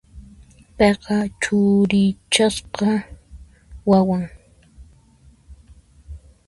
Payqa churichasqa wawan.